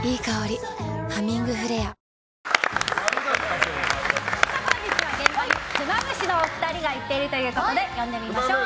冒険王本日は現場にクマムシのお二人が行っているということで呼んでみましょう。